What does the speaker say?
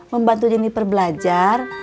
membantu jeniper belajar